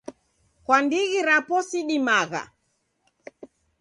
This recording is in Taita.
Kwa ndighi rapo sidimagha.